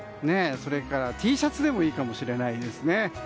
それからＴシャツでもいいかもしれないですね。